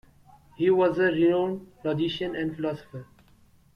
He was a renowned logician and philosopher.